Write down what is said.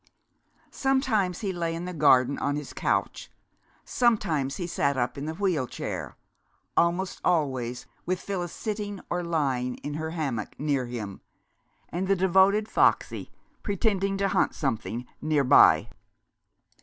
Sometimes he lay in the garden on his couch, sometimes he sat up in the wheel chair, almost always with Phyllis sitting, or lying in her hammock near him, and the devoted Foxy pretending to hunt something near by.